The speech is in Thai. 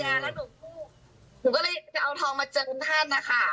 แล้วหนูกู้หนูก็เลยจะเอาทองมาเจอคุณท่านนะคะ